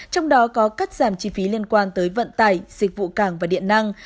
trong đó có cắt giảm chi phí liên quan tới vận tải dịch vụ cảng và điện năng